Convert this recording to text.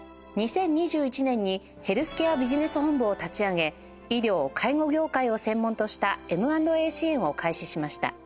２０２１年にヘルスケアビジネス本部を立ち上げ医療・介護業界を専門とした Ｍ＆Ａ 支援を開始しました